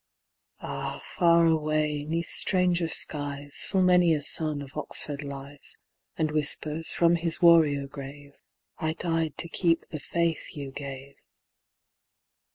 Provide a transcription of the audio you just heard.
Ah, far away, 'neath stranger skies Full many a son of Oxford lies, And whispers from his warrior grave, "I died to keep the faith you gave."